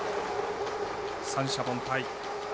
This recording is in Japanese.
三者凡退。